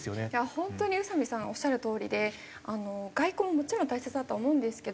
本当に宇佐美さんのおっしゃるとおりで外交ももちろん大切だと思うんですけど。